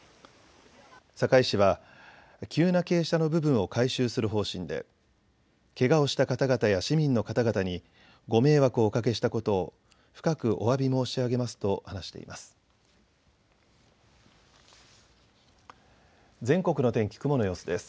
堺市は急な傾斜の部分を改修する方針でけがをした方々や市民の方々にご迷惑をおかけしたことを深くおわび申し上げますと話しています。